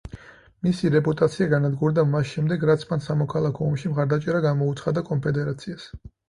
მისი რეპუტაცია განადგურდა მას შემდეგ, რაც მან სამოქალაქო ომში მხარდაჭერა გამოუცხადა კონფედერაციას.